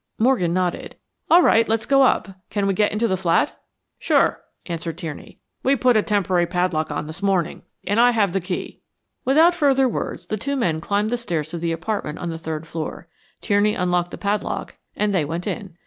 Morgan nodded. "All right, let's go up. Can we get into the flat?" "Sure," answered Tierney. "We put a temporary padlock on this morning, and I have the key." Without further words the two men climbed the stairs to the apartment on the third floor. Tierney unlocked the padlock and they went in.